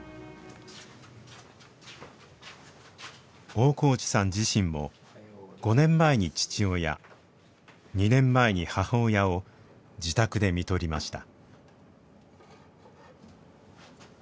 大河内さん自身も５年前に父親２年前に母親を自宅でみとりました。